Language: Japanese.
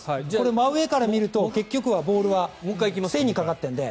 真上から見ると結局はボールは線にかかっているので。